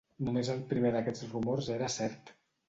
Només el primer d'aquests rumors era cert